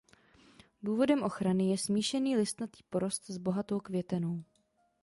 Důvodem ochrany je smíšený listnatý porost s bohatou květenou.